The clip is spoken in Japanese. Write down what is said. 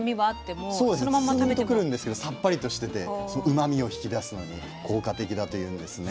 ツンとくるんですけどさっぱりとしててうまみを引き出すのに効果的だというんですね。